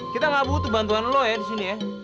kita gak butuh bantuan lu ya disini ya